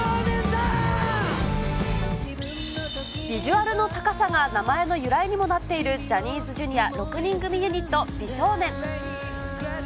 ビジュアルの高さが名前の由来にもなっているジャニーズＪｒ．６人組ユニット、美少年。